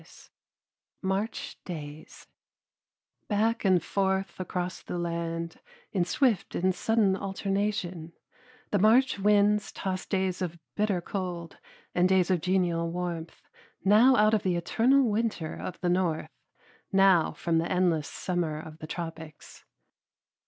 II MARCH DAYS Back and forth across the land, in swift and sudden alternation, the March winds toss days of bitter cold and days of genial warmth, now out of the eternal winter of the north, now from the endless summer of the tropics.